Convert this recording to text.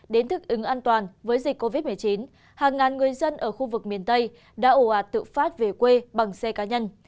đến thức ứng an toàn với dịch covid một mươi chín hàng ngàn người dân ở khu vực miền tây đã ồ ạt tự phát về quê bằng xe cá nhân